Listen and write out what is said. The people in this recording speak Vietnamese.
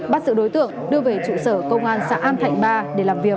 bắt giữ đối tượng đưa về trụ sở công an xã an thạnh ba để làm việc